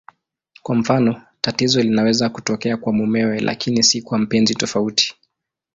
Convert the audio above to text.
Kwa mfano, tatizo linaweza kutokea kwa mumewe lakini si kwa mpenzi tofauti.